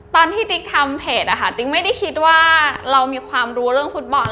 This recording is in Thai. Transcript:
ติ๊กทำเพจอะค่ะติ๊กไม่ได้คิดว่าเรามีความรู้เรื่องฟุตบอล